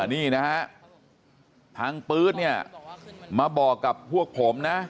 นี่นะฮะทางปื๊ดเนี่ยมาบอกกับพวกผมนะ